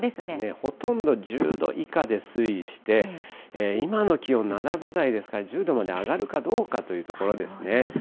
ほとんど１０度以下で推移して、今の気温７度台ですから、１０度まで上がるかどうかというところですね。